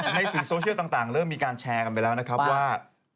สื่อโซเชียลต่างเริ่มมีการแชร์กันไปแล้วนะครับว่า